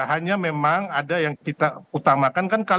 hanya memang ada yang kita utamakan kan